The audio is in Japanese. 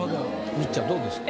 みっちゃんどうですか？